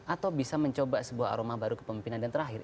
atau bisa mencoba sebuah aroma baru kepemimpinan dan terakhir